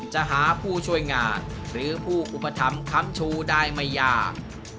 จะหาผู้ช่วยงานหรือผู้อุปถัมภ์คำชูได้ไม่ยาก